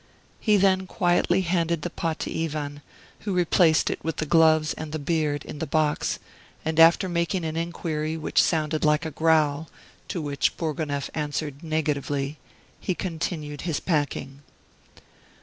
He then quietly handed the pot to Ivan, who replaced it with the gloves and the beard in the box; and after making an inquiry which sounded like a growl, to which Bourgonef answered negatively, he continued his packing.